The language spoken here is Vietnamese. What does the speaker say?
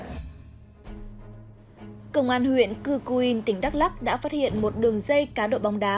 công an huyện cư cu yên tỉnh đắk lắc đã phát hiện một đường dây cá độ bóng đá